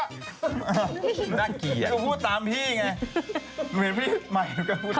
สนับสนุนโดยดีที่สุดคือการให้ไม่สิ้นสุด